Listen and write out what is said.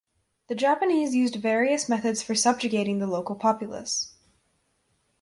The Japanese used various methods for subjugating the local populace.